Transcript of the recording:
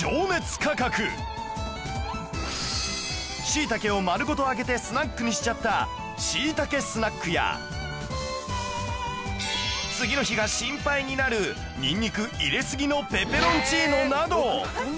しいたけを丸ごと揚げてスナックにしちゃった次の日が心配になるにんにく入れすぎのペペロンチーノなど